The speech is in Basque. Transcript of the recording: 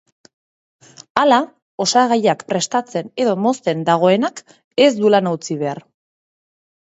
Hala, osagaiak prestatzen edo mozten dagoenak ez du lana utzi behar.